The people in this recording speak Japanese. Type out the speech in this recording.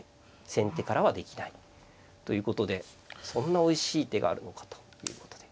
先手からはできないということでそんなおいしい手があるのかということで。